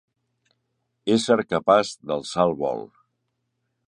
Ésser capaç d'alçar el vol.